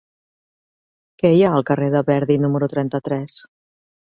Què hi ha al carrer de Verdi número trenta-tres?